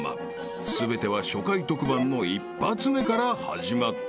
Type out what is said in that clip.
［全ては初回特番の１発目から始まった］